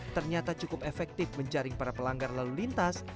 ternyata cukup efektif menjaring para pelanggar lalu lintas